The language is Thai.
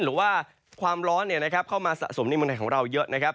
หรือว่าความร้อนเข้ามาสะสมในเมืองไทยของเราเยอะนะครับ